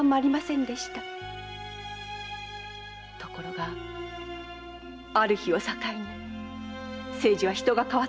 ところがある日を境に清次は人が変わってしまったのです。